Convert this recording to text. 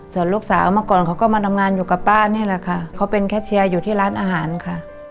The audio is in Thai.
ส่วนลูกสาวเมื่อก่อนเขาก็มาทำงานอยู่กับป้านี่แหละค่ะเขาเป็นแค่เชียร์อยู่ที่ร้านอาหารค่ะ